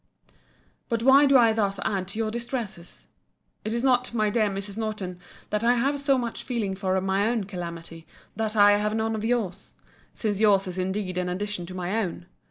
But why do I thus add to your distresses?—It is not, my dear Mrs. Norton, that I have so much feeling for my own calamity that I have none for your's: since your's is indeed an addition to my own.